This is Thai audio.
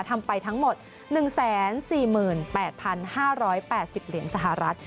ทำไปทั้งหมด๑๔๘๕๘๐เหรียญสหรัฐ